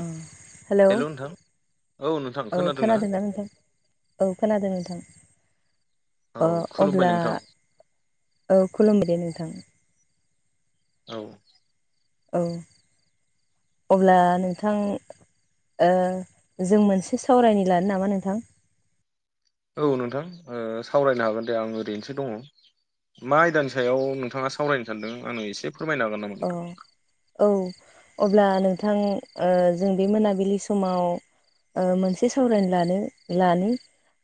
अ hello hello नोंथां औ खोनादोंना नोंथां? औ खोनादों नोंथां। औ अ खुलुमबाय अब्ला नोंथां औ खुलुमबाय दे नोंथां। औ। औ अब्ला नोंथां जों मोनसे सावरायनो लानि नामा नोंथां? औ नोंथां सावरायनो हागोन दे आं ओरैनोसो दङ। मा आयदानि सायाव नोंथाङा सावरायनो सानदों आंनो एसे फोरमायनो हागोन नामा? अ नोंथां औ अब्ला नोंथां जों बे मोनाबिलि समाव मोनसे सावरायनो लानो लानो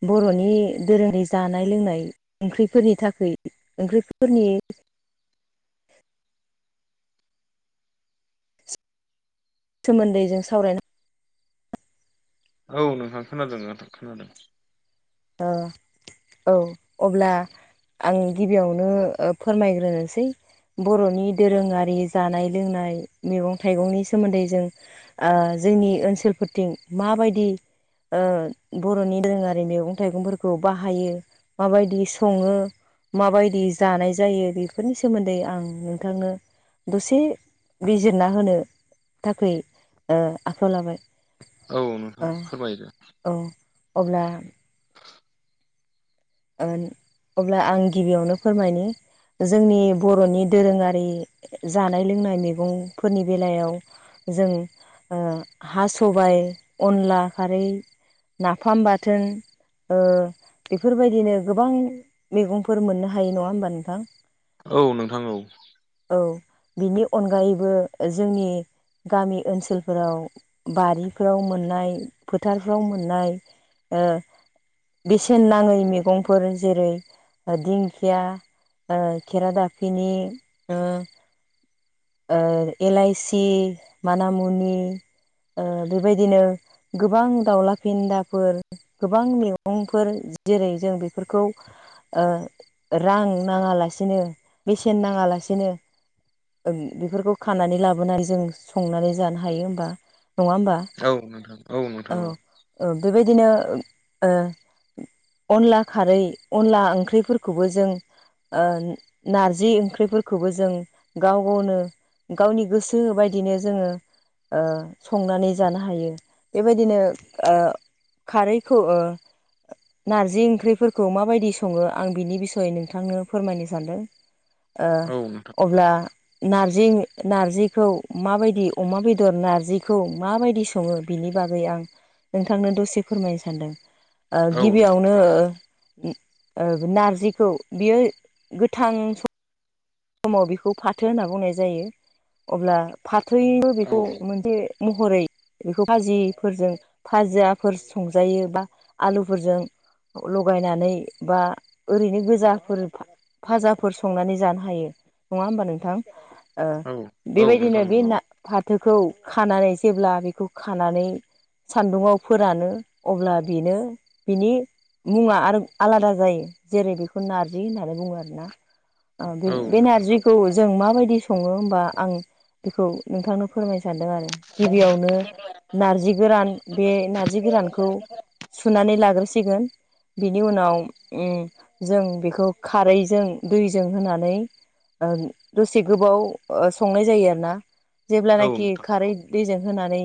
बर'नि दोरोङारि जानाय लोंनाय ओंख्रिफोरनि थाखाय ओंख्रिफोरनि सोमोन्दै जों सावरायनाय औ नोंथां खोनादों नों औ अब्ला आं गिबियावनो फोरमायग्रोनोसै बर'नि दोरोङारि जानाय लोंनाय मैगं थाइगंनि सोमोन्दै जों जोंनि ओनसोलफोरथिं माबायदि बर'नि दोरोङारि मेगं थाइगंफोरखौ बाहायो माबायदि सङो माबायदि जानाय जायो बेफोरनि सोमोन्दै आं नोंथांनो दसे बिजिरना होनो थाखै आखायाव लाबाय औ नोंथां ओ फोरमायदो औ अब्ला [inaudible] अब्ला आं गिबियावनो फोरमायनो जोंनि बर'नि दोरोङारि जानाय लोंनाय मैगंफोरनि बेलायाव जों हा सबाइ अनला खारै नाफाम बाथोन बेफोरबायदि बिदिनो गोबां मैगंफोर मोननो हायो नङा होमबा नोंथां औ नोंथां औ औ बिनि अनगायैबो जोंनि गामि ओनसोलफोराव बारिफ्राव मोननाय फोथारफ्राव मोननाय बेसेन नाङै मैगंफोर जेरै दिंखिया ओ खेरादाफिनि एलाइसि मानामुनि बेबायदिनो गोबां दाउला फेन्दाफोर गोबां मैगंफोर जेरै जों बेफोरखौ रां नाङा लासिनो बेसेन नाङालासिनो बेफोरखौ खानानै लाबोनानै जों संनानै जानो हायो होमबा नङा होमबा औ नोंथां औ नोंथां औ बेबायदिनो अनला खारै अनला ओंख्रिफोरखौबो जों नारजि ओंख्रिफोरखौबो जों गाव गावनो गावनि गोसो बायदिनो जोङो संनानै जानो हायो बेबायदिनो खारैखौ नारजि ओंख्रिफोरखौ माबायदि सङो आं बिनि बिसयै नोंथांनो फोरमायनो सानदों औ नोंथां अब्ला नारजि नार्जिखौ माबायदि अमा बेदर नार्जिखौ माबायदि सङो बिनि बागै आं नोंथांनो दसे फोरमायनो सानदों औ नोंथां गिबियावनो फोरमाय नारजिखौ बियो गोथां सम समाव बेखौ फाथ फाथो होनना बुंनाय जायो अब्ला फाथोबो औ बेखौ मोनसे महरै बेखौ भाजिफोरजों भाजियाफोर संजायो बा आलुफोरजों लगायनानै बा ओरैनो गोजाफोर फाजाफोर संनानै जानो हायो नङा होमबा नोंथां औ औ नोंथां बेबायदिनो बे औ ना फाथोखौ खानानै जेब्ला बेखौ खानानै सान्दुाव फोरानो अब्ला बेनो बिनि मुङा आरो आलादा जायो जेरै बेखौ नार्जि होननानै बुङो आरोना। ओ-बें औ बे नोंथां नारजिखौ जों माबायदि सङो होमबा आं बेखौ। नोंथांनो फोरमायनो सानदों आरो गिबियावनो। नार्जि गोरान बे नार्जि गोरानखौ सुनानै लाग्रोसिगोन। बिनि उनाव ओम जों बेखौ खारैजों दैजों होनानै ओं दसे गोबाव ओ-संनाय जायो आरो ना औ जेब्लानाखि नोंथां खारै दैजों होनानै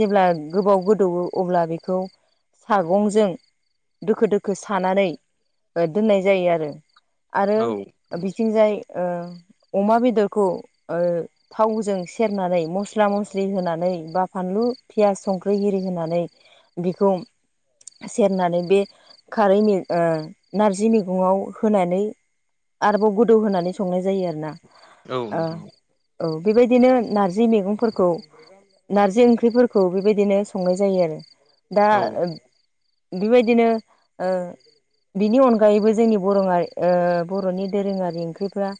जेब्ला गोबाव गोदौवो अब्ला बेखौ सागंजों दोखो दोखो सानानै ओ दोननाय जायो आरो। आरो औ बिथिंजाय ओ अमा बेदरखौ ओ- थावजों सेरनानै मस्ला मस्लि होनानै बा फानलु पियास संख्रि एरि होनानै बेखौ सेरनानै बे खारै मे-ओ-नारजि मैगङाव होनानै आरोबाव गोदौ होनानै संनाय जायो आरोना। औ नोंथां ओ- औ बेबायदिनो नारजि मैगंफोरख नारजि ओंख्रिफोरखौ बेबायदिनो संनाय जायो आरो दा औ बेबायदिनो ओ बिनि अनगायैबो जोंनि बर' ओ-बर'नि दोरोङारि ओंख्रिफ्रा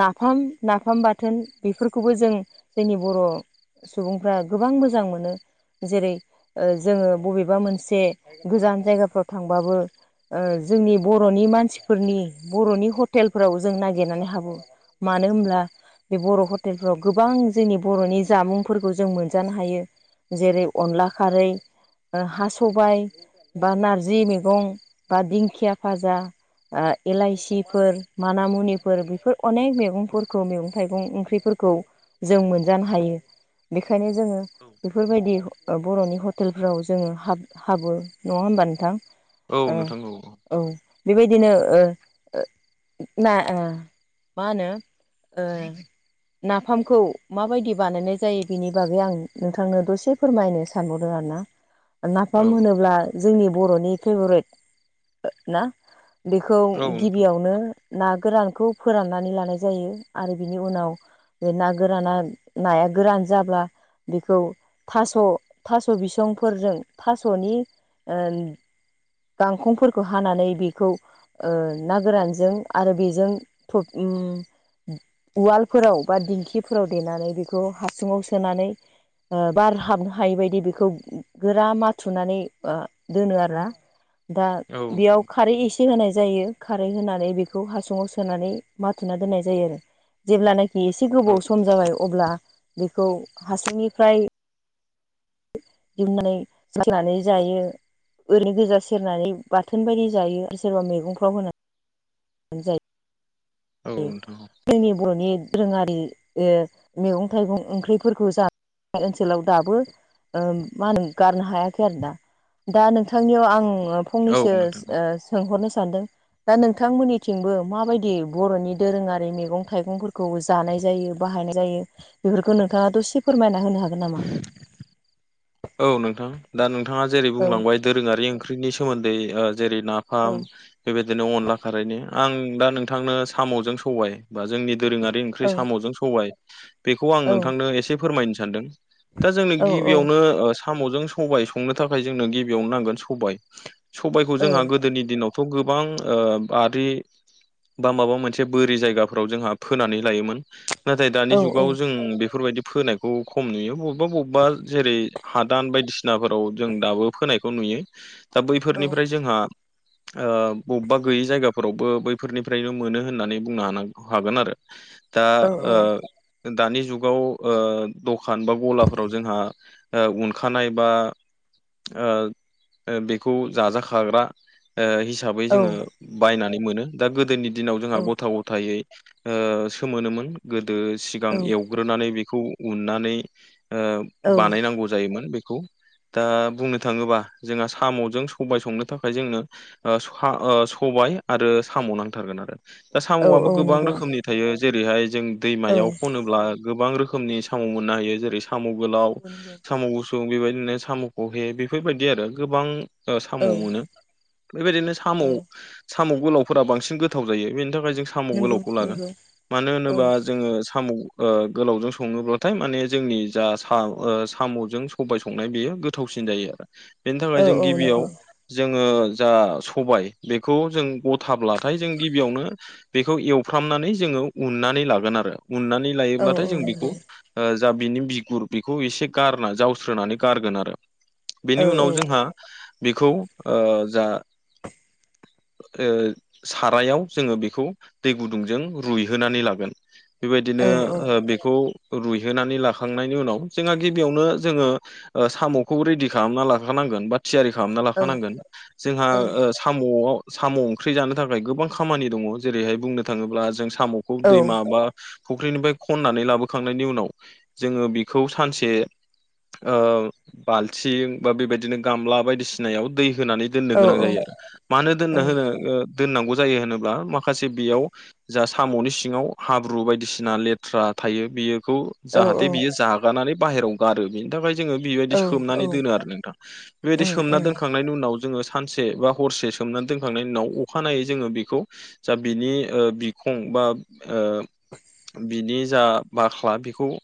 नाफाम नाफाम बाथोन बेफोरखौबो जों जोंनि बर' सुबुंफ्रा गोबां मोजां मोनो जेरै ओ-जोङो बबेबा मोनसे गोजान जायगाफ्राव थांबाबो ओ-जोंनि बर'नि मानसिफोरनि बर'नि हटेलफोराव जों नागिरनानै हाबो। मानो होमब्ला बे बर' हटेलफ्राव गोबां जोंनि बर'नि जामुंफोरखौ जों मोनजानो हायो। जेरै अनला खारै। हा सबायाइ बा नारजि मैगं बा दिंखिया भाज एलाइसिफोर मान मुनिफोर बेफोर अनेक मैगंफोरखौ मैगं थाइगं ओंख्रिफोरखौ जों मोनजानो हायो बेखायनो जोङो बेफोरबायदि ओ-बर'नि हट हटेलफोराव जोङो हाब-हाबो नङा होमबा नोंथां? औ ओ नोंथां औ। औ बेबायदिनो ओ ना-ओ-मा होनो? ओ- नाफामखौ माबायदि बानायनाय जायो बेनि बागै आं नोंथांनो दसे फोरमायनो सानबावदों आर ना। औ नाफाम होनोब्ला जोंनि बर'नि फेभरेट ना? बेखौ गिबियावनो ना गोरानखौ फोराननानै लानाय जायो आरो बिनि उनाव बे ना गोराना नाया गोरान जाब्ला बेखौ थास' थास' बिसंफोरजों थास'नि ओ गांखंफोरखौ हानानै बेखौ ओ ना गोरानजों आरो बेजों थ्रब ओ- उवालफोराव बा दिंखिफोराव देनानै बेखौ हासुङाव सोनानै बार हाबनो हायि बदि बेखौ गोरा माथुनानै आ-दोनो आरोना। [unintelligible] दा बेयाव खारै एसे होनाय जायो खारै होनानै बे बेखौ हासुवाव सोनानै माथुना दोननाय जायो आरो। जेब्लानाखि एसे गोबाव सम जाबाय अब्ला बेखौ हासुंनिफ्राय। दिहुननानै साखिनानै जायो। ओरैनो गोजा सेरनानै बाथोन बायदि जायो आरो सोरबा मैगंफ्राव होना। नै जायो। औ नोंथां जोंनि बर'नि दोरोङारि ओ-मैगं थाइगं ओंख्रिफोरखौ जानाय ओनसोलाव दाबो। ओ मा होनो गारनो हायाखै आरो दा नोंथांनियाव आं औ फंनैसो नोंथां ओ सोंहरनो सानदों दा नोंथांमोननिथिंबो माबायदि बर'नि दोरोङारि मैगं थाइगंफोरखौ जानाय जायो बाहायनाय जायो? बेफोरखौ नोंथाङा दसे फोरमायना होनो हागोन नामा? औ नोंथां दा नोंथाङा जेरै औ बुंलांबाय दोरोङारि ओंख्रिनि सोमोन्दै ओ जेरै ना औ आं बेबायदिनो अनला खारै आं दा नोंथांनो साम'जों सबाय बा जोंनि दोरोङारि बे ओंख्रि औ साम'जों सबाय बेखौ आं औ नोंथांनो एसे फोरमायनो सानदों ‌। दा जोंनो औ गिबियावनो ओ साम'जों सबाय संनो थाखाय जोंनो गिबियावनो नांगोन सबाय सबायखौ औ जोंहा गोदोनि दिनावथ' गोबां बारि बा माबा मोनसे बोरि जायगाफोराव जोंहा फोनानै लायोमोन। नाथाय औ दानि जुगाव जों बेफोरबायदि फोनायखौ खम नुयो बबेबा बबेबा जेरै हादान बायदिसिनाफोराव जों दाबो फोनायखौ नुयो। दा बैफोरनिफ्राय जोंहा ओ बबेबा गैयि जायगाफोरावबो बैफोरनिफ्रायनो मोनो होननानै बुंनो हा हागोन आरो। [unintelligible] दा औ ओ दानि जुगाव दखान बा गलाफोराव जोंहा ओ उनखानाय बा ओ बेखौ जाजाखाग्रा ओ हिसाबै जोङो बायनानै मोनो दा गोदोनि दिनाव जोंहा गथ' गथायै ओ सोमोनोमोन गोदो सिगां एवग्रोनानै बेखौ उननानै ओ औ बानायनांगौ जायोमोन बेखौ दा बुंनो थाङोबा जोंहा साम'जों सबाय संनो थाखाय जोंनो ओ सबाय आरो साम' नांथारगोन आरो। दा औ साम'आबो औ गोबां नंगौ रोखोमनि थायो जेरैहाय जों औ दैमायाव खनो ब्ला गोबां रोखोमनि साम' मोननो हायो जेरै साम' गोलाव नंगौ नंगौ साम' गुसु बेबायदिनो साम'खौहे बेफोरबायदि आरो गोबां साम' औ मोनो। बेबायदिनो साम' औ साम' गोलावफोरा बांसिन गोथाव जायो बेनि थाखाय जों साम' नंगौ गोलावखौ लागोन। नंगौ मानो औ होनोबा जोङो साम' ओ गोलावजों सङोब्लाथाय माने जोंनि जा सा ओ साम'जों सबाय संनाय बेयो गोथावसिन जायो आरो। बेनि थाखाय औ जों औ गिबियाव नंगौ जोङो जा सबाय बेखौ जों गथाब्लाथाय जों गिबियावनो बेखौ एवफ्रामनानै जोङो उन्नानै लागोन आरो उननानै औ लायोब्लाथाय औ जों बेखौ नंगौ जा बिनि बिगुर बेखौ एसे गारना जावस्रोनानै गारगोन आरो बेनि औ उनाव जोंहा बेखौ ओ जा ओ सारायाव जोङो बेखौ दै गुदुंजों रुइहोनानै लागोन। बेबायदिनो औ औ ओ बेखौ रुइहोनानै लाखांनायनि उनाव जोंहा गिबियावनो जोङो साम'खौ रेडि खालामना लाखानांगोन बा थियारि खालामना लाखानांगोन, औ जोंहा ओ साम'आव साम' ओंख्रि जानो थाखाय गोबां खामानि दङ जेरैहाय बुंनो थाङोब्ला जों साम' खौ औ दैमा बा फुख्रिनिफ्राय खननानै लाबोखांनायनि उनाव जोङो बेखौ सानसे ओ बाल्थिं बा बेबायदिनो गामला बायदिसिनायाव दै होनानै दोननो औ गोनां जायो आरो, मानो दोननो होनो दोननांगौ जायो होनोब्ला माखासे बेयाव जा साम'नि सिङाव हाब्रु बायदिसिना लेथ्रा थायो बियोखौ औ जाहाथे बियो जागनानै बाहेरायाव गारो बिनि थाखाय जोङो औ बेबायदि उम सोमनानै उम दोनो आरो नोंथां। बेबायदि सोमना दोनखां खांनायनि उनाव जोङो सानसे बा हरसे सोमनानै दोनखांनायनि उनाव अखानायै जोङो बेखौ जा बिनि बिखं बा ओ बिनि जा बाख्ला बिखौ ओ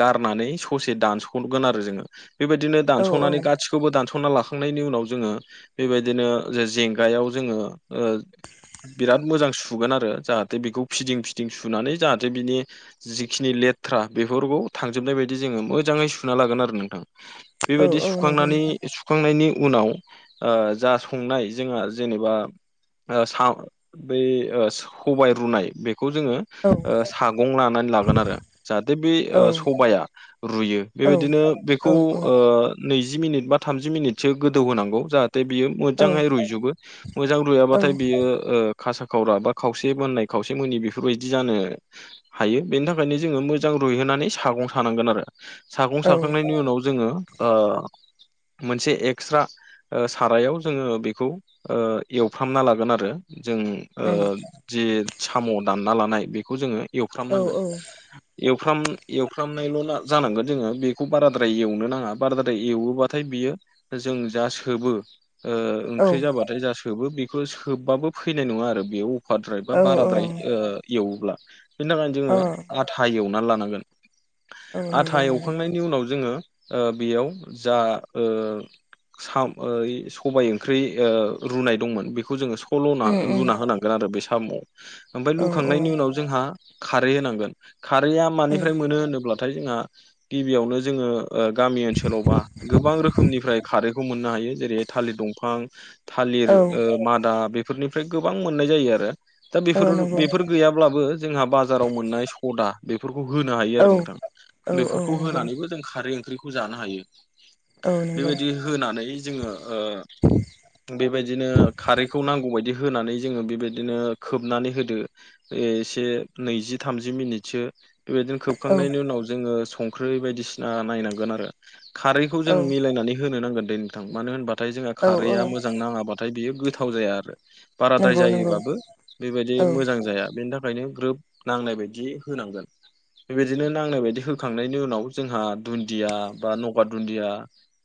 गारनानै ससे दानगोन जोङो, बेबायदिनो औ दानसनानै गा खौबो दानस'ना लाखांनायनि उनाव जोङो बेबायदिनो जे जेंगायाव जोङो ओ बिराद मोजां सुगोन आरो जाहाथे बेखौ फिदिं फिदिं सुनानै जाहाथे बिनि जिखिनि लेथ्रा बेफोरखौ थांजोबनाय बायदि जोङो मोजाङै सुना लागोन आरो नोंथां। औ बेबायदि औ नंगौ सुखांनानै नोंथां सुखांनायनि उनाव जा संनाय जोंहा जेनेबा सा बै सबाय रुनाय बेखौ जोङो औ सागं लानानै लागोन आरो जाहाथे बे औ सबाया रुयो औ बेबायदिनो बेखौ औ ओ नैजि मिनिट बा थामजि मिनिटसो गोदौ होनांगौ जाहाथे बियो औ उम औ मोजाङै रुजोबो। मोजां रुयाबाथाय बियो खासा खावरा बा खावसे मोननाय खावसे मनि बेफोरबायदि जानो हायो बेनि थाखायनो जोङो मोजां रुइहोनानै सागं सानांगोन आरो। सागं सारखांनायनि उनाव जोङो मोनसे एक्सट्रा सारायाव जोङो बेखौ एवफ्रामना लागोन आरो जों जे साम' दानना लानाय बेखौ जोङो एवफ्रामनांगोन। एवफ्राम एवफ्रामनायल' जानांगोन जोङो बेखौ बाराद्राय एवनो नाङा बाराद्राय एवोबाथाय बियो जों जा सोबो ओंख्रि जाबाथाय जा सोबो बेखौ सोबबाबो फैनाय नङा आरो बेयाव औ हद्राय बा बाराद्राय औ एवोब्ला बिनि थाखायनो जोङो आथा एवनानै लानांगोन। अ औ आथा नंगौ एवखांनायनि उनाव जोङो बेयाव जा साम ओ सबाय ओंख्रि रुनाय दंमोन बेखौ जोङो लुना होनांगोन आरो बे सामआव ओमफ्राय लुखांनायनि उनाव जोंहा खारै होनांगोन, खारैया फ्राय मोनो होनोब्लाथाय जोंहा गिबियावनो जोङो गामि ओनसोलावबा गोबां रोखोमनिफ्राय खारैखौ मोननो हायो जेरै थालिर दंफां थालिर मादा बेफोरनिफ्राय गोबां मोननाय जायो आरो। दा बेफोर नंगौ बेफोर गैयाब्लाबो जोंहा बाजाराव मोननाय सदा बेफोरखौ होनो हायो उम औ नंगौ औ आरो नोंथां, औ औ बेफोरखौ नंगौ होनानैबो जों खारै ओंख्रिखौ जानो हायो। औ नंगौ बेबायदि होनानै जोङो बेबायदिनो खारैखौ नांगौबायायदि होनानै जोङो बेबायदिनो खोबनानै होदो। एसे नैजि थामजि मिनिटसो बेबायदिनो औ खोबखांनायनि उनाव जोङो संख्रि बायदिसिना नायनांगोन आरो। खारैखौ औ जों मिलायनानै होनो नांगोन दे नोंथां मानो होनबाथाय जोंहा औ खारैया मोजां नाङाब्ला नाथाय बेयो गोथाव जाया आरो। बाराद्राय नंगौ नंगौ जायोबाबो बेबायदि औ मोजां जाया बेनि थाखायनो ग्रोब नांनाय बायदि होनांगोन। बेबायदिनो नांनाय बायदि होखांनायनि उनाव जोंहा दुन्दिया बा नगा दुन्दिया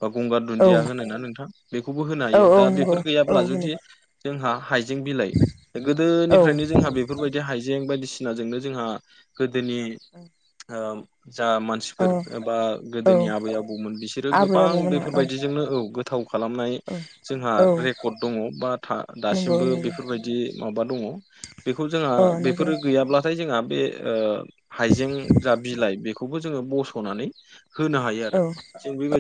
बा गंगार औ दुन्दिया होनो ना नोंथां बेखौबो होनो हायो औ दा नंगौ बेफोर औ गैयाब्ला होनो जुदि जोंहा हाइ जें बिलाइ औ गोदोनिफ्रायनो जोंहा बेफोरबायदि हाइजें बायदिसिनाजोंनो जोंहा गोदोनि ओ जा मान औ मानसिफोर एबा औ गोदोनि आबै आबौमोन बिसोरो आबै गोबां आबौमोनहा औ बेफोरबायदिजोंनो औ। गोथाव खालामनाय औ जोंहा औ रेकर्ड दङ बा नंगौ दासिमबो नंगौ बेफोरबाय दि माबा दङ बेखौ जोंहा अ नंगौ बेफोरो गैयाब्लाथाय जोंहा बे ओ हाइजें जा बिलाइ बेखौबो जोङो बस'नानै होनो हायो आरो औ जों बेबाय